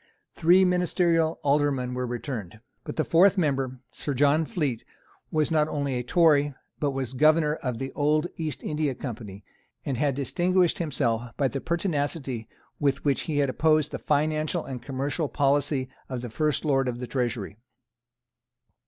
Three ministerial Aldermen were returned. But the fourth member, Sir John Fleet, was not only a Tory, but was Governor of the old East India Company, and had distinguished himself by the pertinacity with which he had opposed the financial and commercial policy of the first Lord of the Treasury.